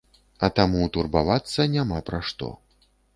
А таму турбавацца няма пра што.